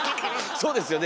そうですよね。